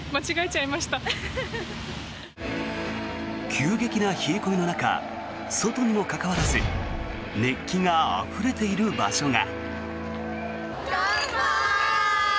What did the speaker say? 急激な冷え込みの中外にもかかわらず熱気があふれている場所が。